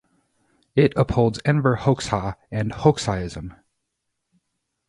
It upholds Enver Hoxha and Hoxhaism.